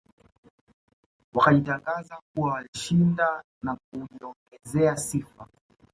Akajitangaza kuwa alishinda na kujiongezea sifa